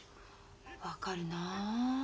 分かるな。